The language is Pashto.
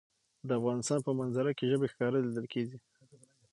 د افغانستان په منظره کې ژبې ښکاره لیدل کېږي.